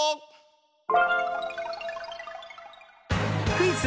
クイズ